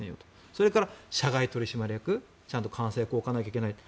それから社外取締役ちゃんと監査役を置かないといけない。